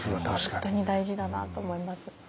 本当に大事だなと思います。